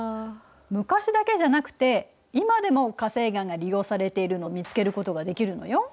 昔だけじゃなくて今でも火成岩が利用されているのを見つけることができるのよ。